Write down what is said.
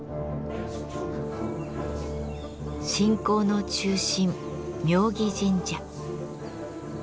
信仰の中心妙義神社。